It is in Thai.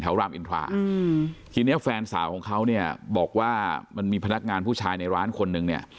รามอินทราอืมทีนี้แฟนสาวของเขาเนี่ยบอกว่ามันมีพนักงานผู้ชายในร้านคนนึงเนี่ย